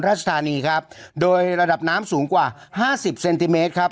ราชธานีครับโดยระดับน้ำสูงกว่าห้าสิบเซนติเมตรครับ